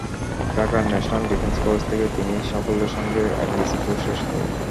ঢাকার National Defence College থেকে তিনি সাফল্যের সঙ্গে এনডিসি কোর্স শেষ করেন।